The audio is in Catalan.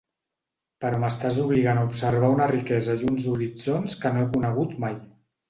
Però m'estàs obligant a observar una riquesa i uns horitzons que no he conegut mai.